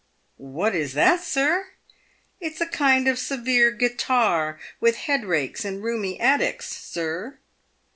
" What is that, sir?" — "It's a kind of severe guitar, with head rakes and roomy attics, sir."